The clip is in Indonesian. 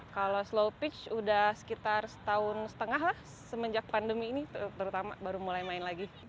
kalau slow pitch udah sekitar setahun setengah lah semenjak pandemi ini terutama baru mulai main lagi